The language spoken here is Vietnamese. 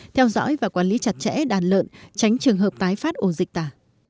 theo dõi và quản lý chặt chẽ đàn lợn tránh trường hợp tái phát ồn dịch tả